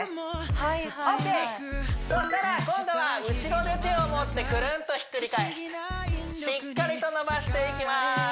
はいはいはいＯＫそしたら今度は後ろで手を持ってくるんとひっくり返してしっかりと伸ばしていきます